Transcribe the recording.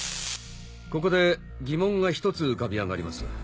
ここで疑問が１つ浮かび上がります。